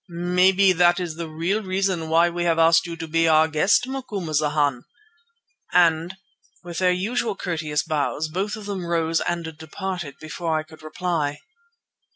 Maybe that is the real reason why we have asked you to be our guest, Macumazana," and with their usual courteous bows, both of them rose and departed before I could reply.